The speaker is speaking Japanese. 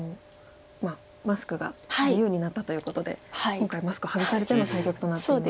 マスクが自由になったということで今回マスク外されての対局となっています。